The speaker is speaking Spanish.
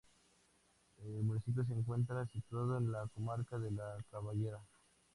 El municipio se encuentra situado en la comarca de La Carballeda.